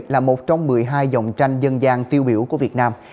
là một trong một mươi hai dòng tranh dân gian tiêu biểu của việt nam